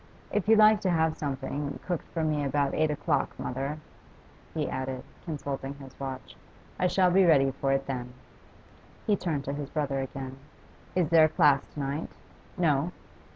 If you like to have something cooked for me about eight o'clock, mother,' he added, consulting his watch, 'I shall be ready for it then.' He turned to his brother again. 'Is there a class to night? No?